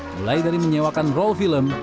mulai dari menyewakan role film